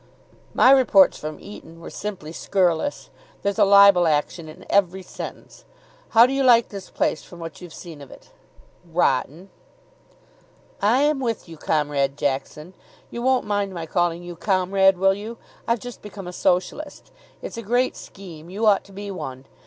"My reports from Eton were simply scurrilous. There's a libel action in every sentence. How do you like this place from what you've seen of it?" "Rotten." "I am with you, Comrade Jackson. You won't mind my calling you Comrade, will you? I've just become a Socialist. It's a great scheme. You ought to be one.